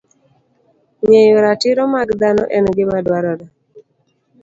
Ng'eyo ratiro mag dhano en gima dwarore